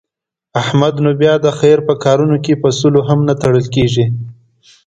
احمد نو بیا د خیر په کارونو کې په سلو هم نه تړل کېږي.